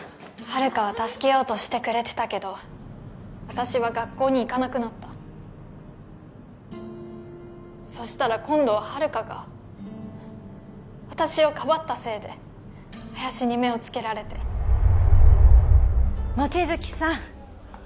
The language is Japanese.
遙は助けようとしてくれてたけど私は学校に行かなくなったそしたら今度は遙が私をかばったせいで林に目をつけられて望月さん